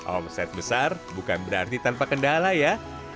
omset besar bukan berarti tanpa kendala ya